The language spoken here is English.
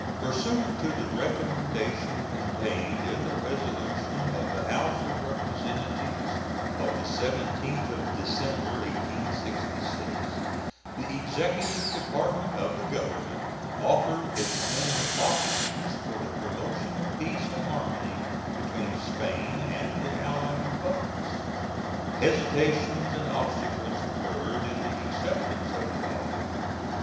Pursuant to the recommendation contained in the resolution of the House of Representatives of the 17th of December, 1866, the executive department of the Government offered its friendly offices for the promotion of peace and harmony between Spain and the allied Republics. Hesitations and obstacles occurred to the acceptance of the offer.